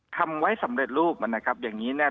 ทำไว้สำเร็จรูปมันนะครับอย่างนี้เนี่ย